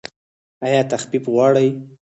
ایا تخفیف غواړئ؟